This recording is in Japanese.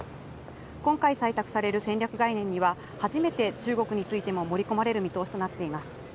今回、採択される戦略概念には、初めて中国についても盛り込まれる見通しとなっています。